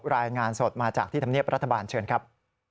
รายงานสดมาจากธนาปรัฐบาลเชิญครับ